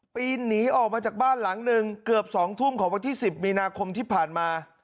ปีนหนีออกมาจากบ้านหลังหนึ่งเกือบ๒ทุ่มของวันที่๑๐มีนาคมที่ผ่านมา